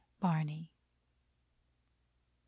Barney_.